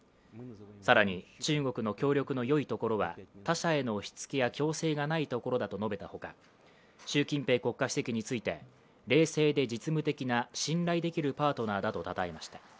更に、中国の協力のよいところは、他者への押しつけや強制がないところだと述べたほか、習近平国家主席について、冷静で実務的な信頼できるパートナーだと称えました。